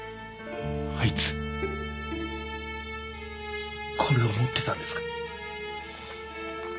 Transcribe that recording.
あいつこれを持ってたんですか？